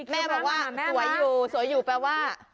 แม่บอกว่าสวยอยู่สวยอยู่แปลว่า